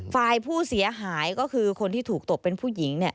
ฝ่ายผู้เสียหายก็คือคนที่ถูกตบเป็นผู้หญิง